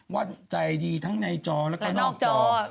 ว่าใจดีทั้งในจอแล้วก็นอกจอ